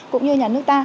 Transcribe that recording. cũng như nhà nước